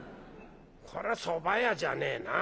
こりゃそば屋じゃねえな。